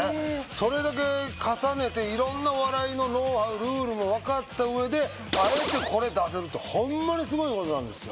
それだけ重ねて色んなお笑いのノウハウルールもわかったうえであえてこれ出せるってほんまにすごいことなんですよ